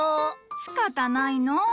しかたないのう。